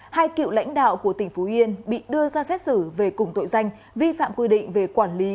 hai cựu lãnh đạo của tỉnh phú yên bị đưa ra xét xử về cùng tội danh vi phạm quy định về quản lý